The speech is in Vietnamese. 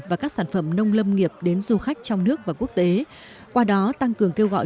và các sản phẩm nông lâm nghiệp đến du khách trong nước và quốc tế qua đó tăng cường kêu gọi